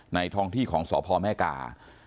ท้องที่ของสพแม่กา